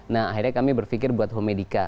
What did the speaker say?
nah akhirnya kami berpikir buat homedica